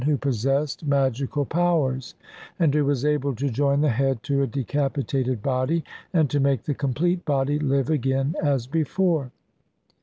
CXLIX who possessed magical powers, and who was able to join the head to a decapitated body and to make the complete body live again as before.